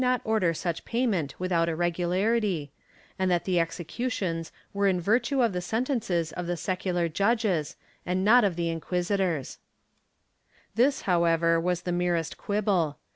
188 THE STAKE [Book VH order such payment without uregularity, and that the executions were in virtue of the sentences of the secular judges and not of the inquisitors/ This, however, was the merest quibble.